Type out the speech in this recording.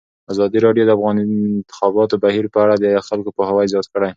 ازادي راډیو د د انتخاباتو بهیر په اړه د خلکو پوهاوی زیات کړی.